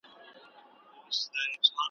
بلبلکي کوچېدلي ګلغوټۍ دي رژېدلي `